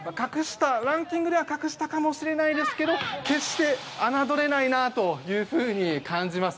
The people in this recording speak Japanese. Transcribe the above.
ランキングでは格下かもしれないですけど決して、侮れないなというふうに感じます。